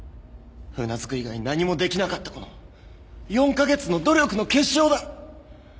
うなずく以外何もできなかった子の４カ月の努力の結晶だ！